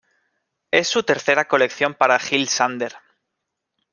Es su tercera colección para Jil Sander.